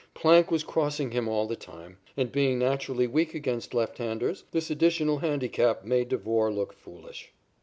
Plank was crossing him all the time, and, being naturally weak against left handers, this additional handicap made Devore look foolish.